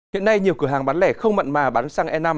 hiện nay nhiều cửa hàng bán lẻ không mận mà bán sang e năm